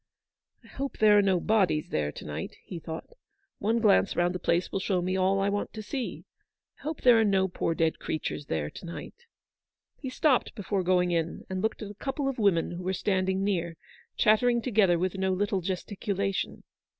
" I hope there are no bodies there to night/' he thought. " One glance round the place will show me all I want to see. I hope there are no poor dead creatures there to night." He stopped before going in, and looked at a couple of women who were standing near, chat tering together with no little gesticulation.